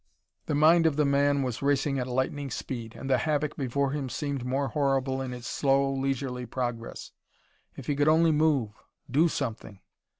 The mind of the man was racing at lightning speed, and the havoc before him seemed more horrible in its slow, leisurely progress. If he could only move do something!